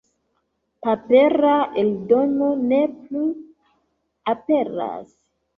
Papera eldono ne plu aperas.